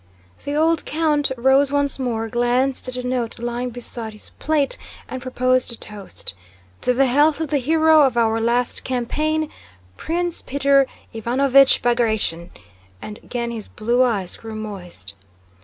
The old count rose once more, glanced at a note lying beside his plate, and proposed a toast, "To the health of the hero of our last campaign, Prince Peter Ivánovich Bagratión!" and again his blue eyes grew moist.